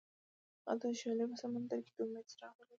هغه د شعله په سمندر کې د امید څراغ ولید.